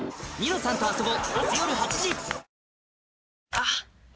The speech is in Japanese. あっ！